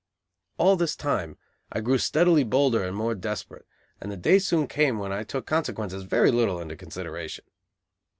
All this time I grew steadily bolder and more desperate, and the day soon came when I took consequences very little into consideration.